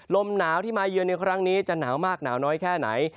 ลมหนาวที่มาเยือนในครั้งนี้จะหนาวมากหนาวน้อยแค่ไหน